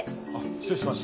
失礼します。